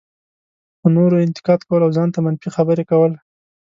په نورو انتقاد کول او ځان ته منفي خبرې کول.